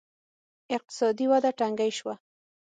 اقتصادي وده ټکنۍ شوه